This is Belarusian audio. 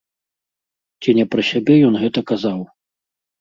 Ці не пра сябе ён гэта казаў?